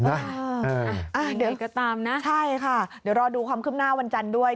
อ่าอย่างนี้ก็ตามนะใช่ค่ะรอดูความขึ้นหน้าวันจันทร์ด้วย